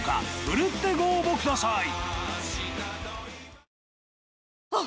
ふるってご応募ください！